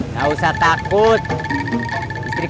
tak usah takut tapi kamu sudah jinak aslinya iya kan